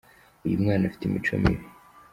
Uyu mwana afite imico mibi.